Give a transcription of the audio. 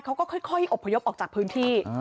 เขาก็ค่อยอบพยพออกจากพื้นที่